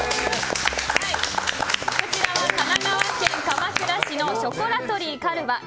こちらは神奈川県鎌倉市のショコラトリーカルヴァ